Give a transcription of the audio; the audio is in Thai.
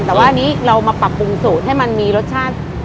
แต่ว่าอันนี้เรามาปรับปรุงสูตรให้มันมีรสชาติ